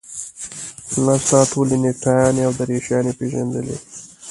ما ستا ټولې نکټایانې او دریشیانې پېژندلې.